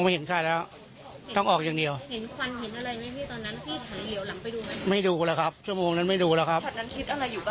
เห็นใช่แล้วต้องออกอย่างเดียวเห็นควันเห็นอะไรอย่างเงี้ยพี่